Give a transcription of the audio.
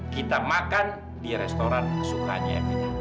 kita makan di restoran sukanya